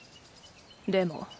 でも。